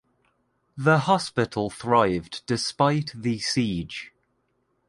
The hospital thrived despite the siege.